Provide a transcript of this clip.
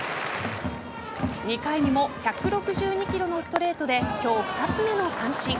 ２回にも１６２キロのストレートで今日２つ目の三振。